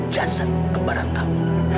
jasa gembaran kamu